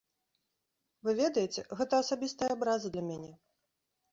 Вы ведаеце, гэта асабістая абраза для мяне.